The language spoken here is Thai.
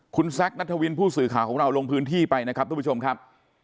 คุณแซคนัทวินผู้สื่อข่าวของเราลงพื้นที่ไปนะครับทุกผู้ชมครับ